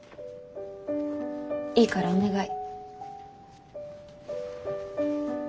いいからお願い。